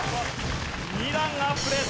２段アップです。